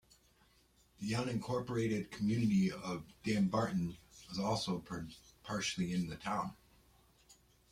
The unincorporated community of Dunbarton is also partially in the town.